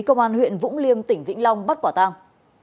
công an huyện vũng liêm tỉnh vĩnh long bắt quả tang